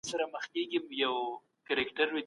پرېکړې مه کوئ که يې د پلي کولو توان نلرئ.